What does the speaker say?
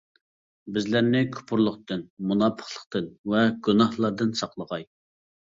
بىزلەرنى كۇپۇرلۇقتىن، مۇناپىقلىقتىن ۋە گۇناھلاردىن ساقلىغاي!